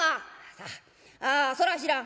「さあああそれは知らん」。